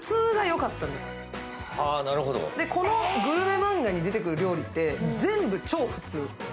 このグルメマンガに出てくる料理って、全部超普通。